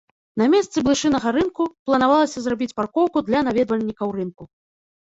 На месцы блышынага рынку планавалася зрабіць паркоўку для наведвальнікаў рынку.